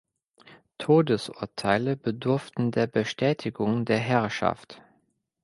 Todesurteile bedurften der Bestätigung der Herrschaft.